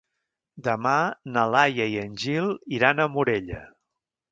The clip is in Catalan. Demà na Laia i en Gil iran a Morella.